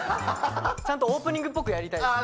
ちゃんとオープニングっぽくやりたいです。